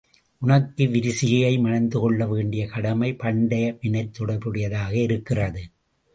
உனக்கு விரிசிகையை மணந்துகொள்ளவேண்டிய கடமை பண்டை வினைத் தொடர்புடையதாக இருக்கிறது.